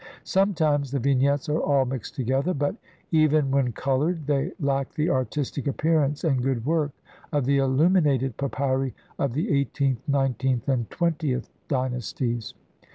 Sometimes the Vignettes are all mixed together, but, even when coloured, they lack the artistic appearance and good work of the illuminated papyri of the eighteenth, nineteenth, and twentieth dynasties.